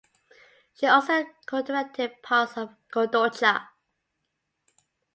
She also co-directed parts of "Kodocha".